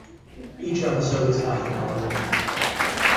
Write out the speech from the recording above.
Each episode is half an hour long.